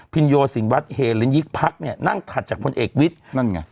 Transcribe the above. พิญโยศิงวัฒน์เหรนยิกภักดิ์เนี้ยนั่งผลัดจากพลเอกวิทธิ์นั่นไง